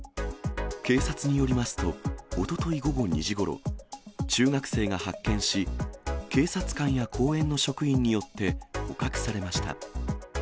警察によりますと、おととい午後２時ごろ、中学生が発見し、警察官や公園の職員によって、捕獲されました。